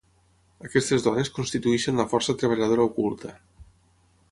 Aquestes dones constitueixen la força treballadora oculta.